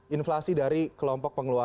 inflasi dari kelompok pengeluaran